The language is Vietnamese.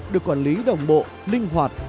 được quản lý đồng bộ linh hoạt